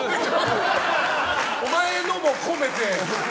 お前のも込めて。